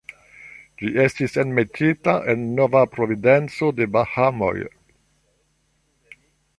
Ĝi estis enmetita en Nova Providenco de Bahamoj.